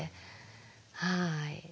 はい。